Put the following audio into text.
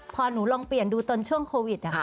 พอหนูลองเปลี่ยนดูตอนช่วงโควิด